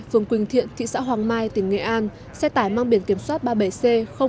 phường quỳnh thiện thị xã hoàng mai tỉnh nghệ an xe tải mang biển kiểm soát ba mươi bảy c một nghìn ba trăm hai mươi